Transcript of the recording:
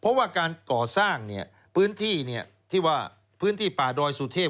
เพราะว่าการก่อสร้างพื้นที่ป่าดอยสุเทพ